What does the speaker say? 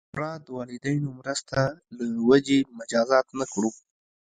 افراد والدینو مرسته له وجې مجازات نه کړو.